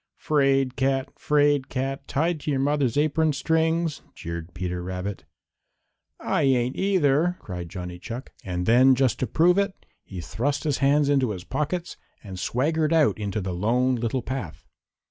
"'Fraid cat! 'Fraid cat! Tied to your mother's apron strings!" jeered Peter Rabbit. "I ain't either!" cried Johnny Chuck. And then, just to prove it, he thrust his hands into his pockets and swaggered out into the Lone Little Path.